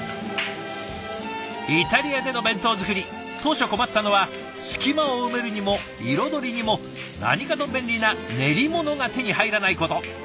イタリアでの弁当作り当初困ったのは隙間を埋めるにも彩りにも何かと便利な練り物が手に入らないこと。